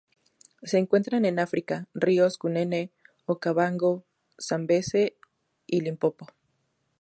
Se encuentran en África: ríos Cunene, Okavango, Zambeze y Limpopo.